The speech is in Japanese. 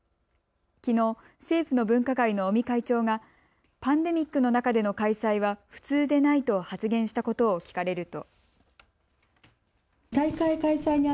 きのう政府の分科会の尾身会長がパンデミックの中での開催は普通でないと発言したことを聞かれると。